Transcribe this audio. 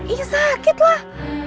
iya sakit lah